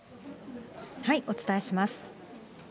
お伝えします。